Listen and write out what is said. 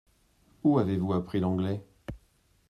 Où avez-vous appris l’anglais ?